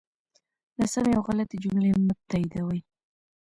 ناسمی او غلطی جملی مه تاییدوی